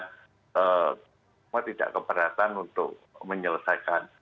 supaya semua tidak keperasan untuk menyelesaikan